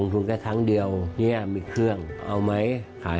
ทำไงอ่ะขายน้ำ